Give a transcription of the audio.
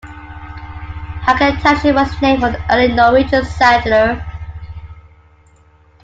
Hagen Township was named for an early Norwegian settler.